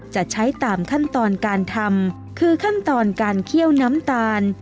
จะใช้ตามขั้นตอนการทำคือขั้นตอนการเคี่ยวน้ำตาล